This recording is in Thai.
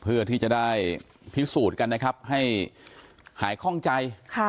เพื่อที่จะได้พิสูจน์กันนะครับให้หายคล่องใจ